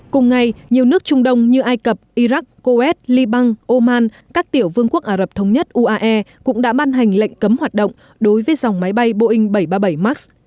cùng ngày nhiều nước trung đông như ai cập iraq kuwait liban oman các tiểu vương quốc ả rập thống nhất uae cũng đã ban hành lệnh cấm hoạt động đối với dòng máy bay boeing bảy trăm ba mươi bảy max